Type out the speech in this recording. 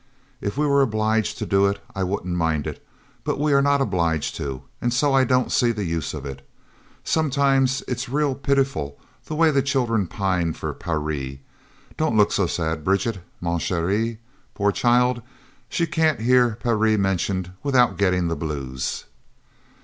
If we were obliged to do it, I wouldn't mind it; but we are not obliged to, and so I don't see the use of it. Sometimes its real pitiful the way the childern pine for Parry don't look so sad, Bridget, 'ma chere' poor child, she can't hear Parry mentioned without getting the blues."